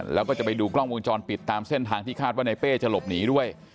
แล้วก็จะไปดูกล้องวงจรปิดตามเส้นทางที่คาดว่าในเป้จะหลบหนีด้วย